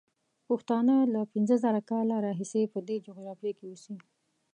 پښتانه له پینځه زره کاله راهیسې په دې جغرافیه کې اوسي.